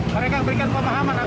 mereka berikan pemahaman